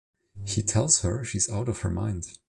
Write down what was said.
He tells her she is out of her mind.